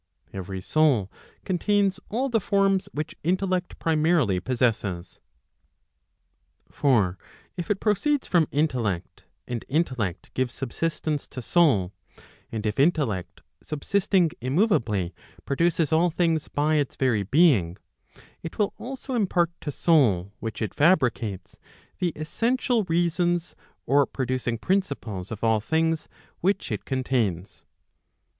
Every soul contains all the forms which intellect primarily possesses. Digitized by t^OOQLe 430 ELEMENTS PROP. CXCV. For if it proceeds from intellect, and intellect gives subsistence to soul; and if intellect subsisting immoveably produces all things by its very being, it will also impart to soul which it fabricates, the essential reasons [or producing principles] of all things which it contains.